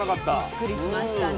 びっくりしましたね。